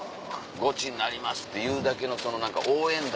「ゴチになります」って言うだけのその何か応援団。